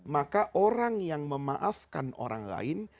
maka orang yang memaafkan orang lain